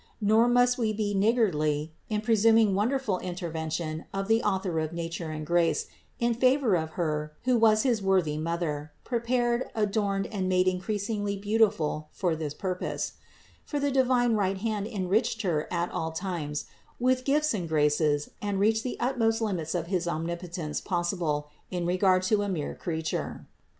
Nor must we be niggardly in presuming won derful intervention of the Author of nature and grace in favor of Her who was his worthy Mother, prepared, adorned and made increasingly beautiful for this pur pose : for the divine right hand enriched Her at all times with gifts and graces and reached the utmost limits of his Omnipotence possible in regard to a mere creature.